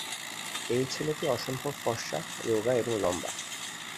এই ছেলেটি অসম্ভব ফস, রোগা এবং লম্বা।